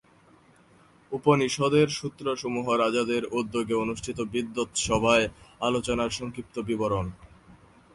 উপনিষদের সূত্রসমূহ রাজাদের উদ্যোগে অনুষ্ঠিত বিদ্বৎসভায় আলোচনার সংক্ষিপ্ত বিবরণ।